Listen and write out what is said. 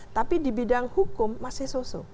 tapi di bidang hukum masih so so